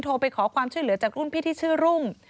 ไปขอความช่วยเหลือจากรุ่นพี่ที่ชื่อรุ่ง